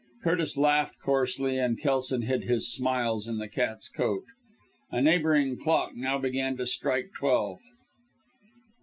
Curtis laughed coarsely, and Kelson hid his smiles in the cat's coat. A neighbouring clock now began to strike twelve.